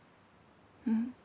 うん。